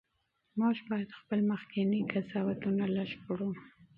موږ باید خپل مخکني قضاوتونه لږ کړو.